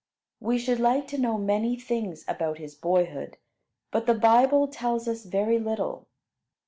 We should like to know many things about his boyhood, but the Bible tells us very little.